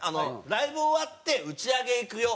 ライブ終わって打ち上げ行くよ。